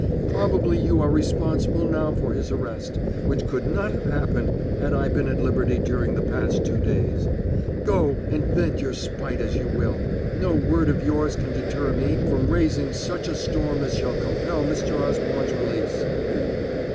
Probably you are responsible now for his arrest, which could not have happened had I been at liberty during the past two days. Go, and vent your spite as you will no word of yours can deter me from raising such a storm as shall compel Mr. Osborne's release!"